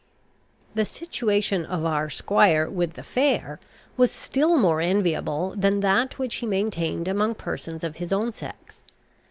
The situation of our squire with the fair was still more enviable than that which he maintained among persons of his own sex.